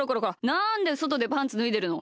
なんでそとでパンツぬいでるの！